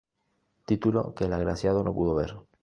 Título que el agraciado no pudo ver.